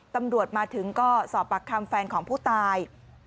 ตำรวจมาถึงก็สอบปากคำแฟนของผู้ตาย